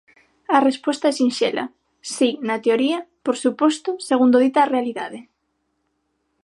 A resposta é sinxela: si, na teoría, por suposto, segundo dita a realidade.